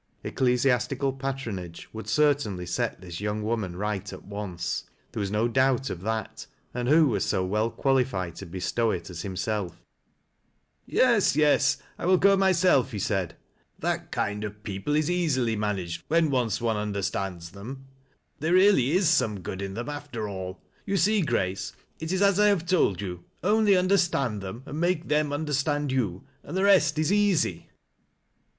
Ecclesiastical patronage would certainlj set this young woman right at once. There was no doubt of that. And who was so weL qualified to bestow it at himself J THE REVEREND HAROLD BARHOLM. 97 ' Yes, yes ! I will go mj'self," he said. " That kind of people is easily managed, when once one understands them. There really is some good in them, after ail. You see, Giace, it is as I have told you — only understand them, ;nd make them understand you, and the rest is easy."